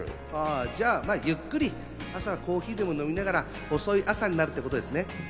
じゃあ、ゆっくり、朝、コーヒーでも飲みながら遅い朝にということですね。